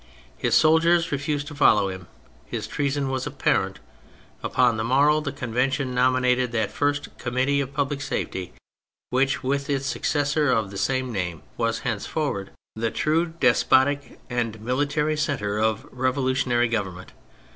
His soldiers refused to follow him ; his treason was apparent; upon the morrow the Convention nominated that first '' Committee of Public Safety " which, with its successor of the same name, was henceforward the true despotic and military centre of revolutionary government.